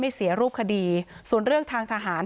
เสียรูปคดีส่วนเรื่องทางทหาร